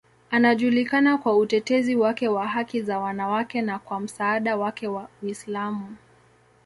Anajulikana kwa utetezi wake wa haki za wanawake na kwa msaada wake wa Uislamu.